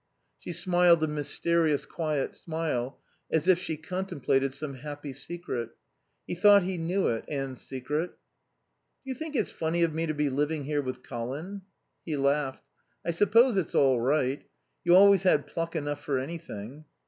She smiled a mysterious, quiet smile, as if she contemplated some happy secret. He thought he knew it, Anne's secret. "Do you think it's funny of me to be living here with Colin?" He laughed. "I suppose it's all right. You always had pluck enough for anything."